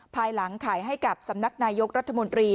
ภายหลังขายให้กับสำนักนายกรัฐมนตรี